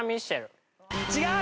違う！